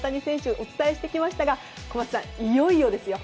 お伝えしてきましたが小松さん、いよいよですよ。